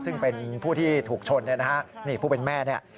ซึ่งเป็นผู้ที่ถูกชนนะครับผู้เป็นแม่นี่